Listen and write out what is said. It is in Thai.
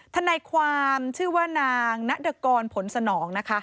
ทนายความชื่อนางนักดรกรผลสนอง